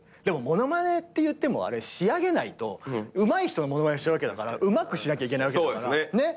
でも物まねっていってもあれ仕上げないとうまい人の物まねしてるわけだからうまくしなきゃいけないわけだから。